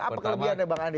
apa kelebihan ya bang andi